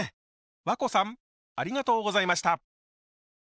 わこさんありがとうございました。